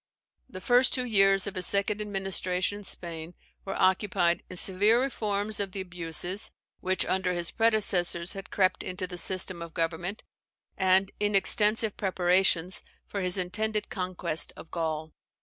The first two years of his second administration in Spain were occupied in severe reforms of the abuses which under his predecessors had crept into the system of government, and in extensive preparations for his intended conquest of Gaul.